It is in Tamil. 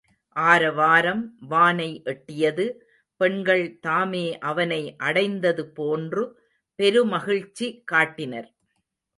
ஆரவாரம் வானை எட்டியது பெண்கள் தாமே அவனை அடைந்தது போன்று பெருமகிழ்ச்சி காட்டினர்.